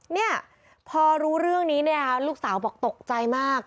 เนี่ยพอรู้เรื่องนี้เนี่ยลูกสาวบอกตกใจมาก